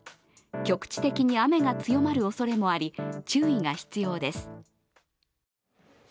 局地的に雨が強まるおそれもあり注意が必要です。